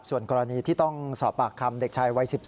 ส่วนกรณีที่ต้องสอบปากคำเด็กชายวัย๑๔